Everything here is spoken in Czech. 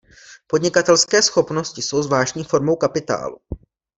Podnikatelské schopnosti jsou zvláštní formou kapitálu.